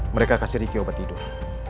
mereka kasih riki obat tidur